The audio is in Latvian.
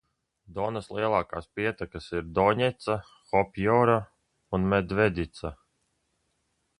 Donas lielākās pietekas ir Doņeca, Hopjora un Medvedica.